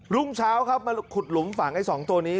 รุ่งเช้าครับมาขุดหลุมฝังไอ้๒ตัวนี้